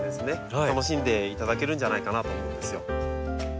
楽しんでいただけるんじゃないかなと思うんですよ。